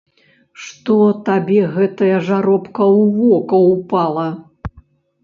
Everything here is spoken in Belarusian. Што табе гэтая жаробка ў вока ўпала!